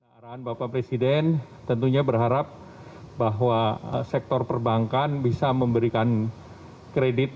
arahan bapak presiden tentunya berharap bahwa sektor perbankan bisa memberikan kredit